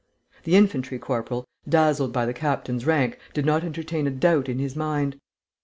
The infantry corporal, dazzled by the captain's rank, did not entertain a doubt in his mind.